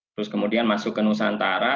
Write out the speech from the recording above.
terus kemudian masuk ke nusantara